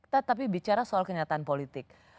tetapi bicara soal kenyataan politik